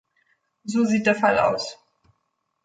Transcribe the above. So sieht der Fall aus.